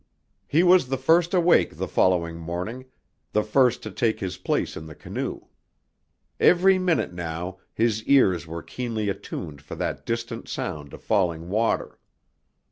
He was the first awake the following morning, the first to take his place in the canoe. Every minute now his ears were keenly attuned for that distant sound of falling water.